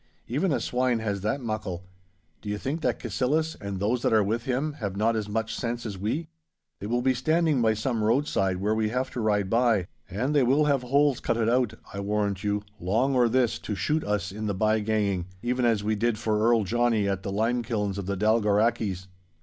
Even a swine has that muckle. Do you think that Cassillis, and those that are with him, have not as much sense as we? They will be standing by some roadside where we have to ride by, and they will have holes cutted out, I warrant you, long or this, to shoot us in the by ganging— even as we did for Earl Johnnie at the limekilns of the Dalgorrachies.